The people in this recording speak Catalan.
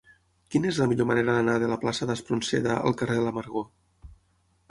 Quina és la millor manera d'anar de la plaça d'Espronceda al carrer de l'Amargor?